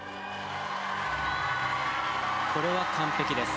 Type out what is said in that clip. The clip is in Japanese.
これは完璧です。